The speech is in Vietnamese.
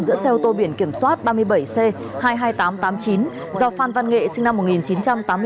giữa xe ô tô biển kiểm soát ba mươi bảy c hai mươi hai nghìn tám trăm tám mươi chín do phan văn nghệ sinh năm một nghìn chín trăm tám mươi bốn